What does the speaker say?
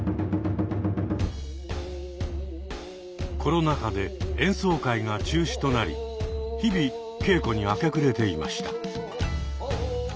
コロナ禍で演奏会が中止となり日々稽古に明け暮れていました。